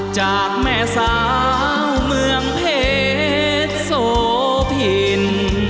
จากแม่สาวเมืองเพชรโสพิน